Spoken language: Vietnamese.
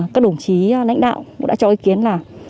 các đồng chí lãnh đạo cũng đã cho ý kiến là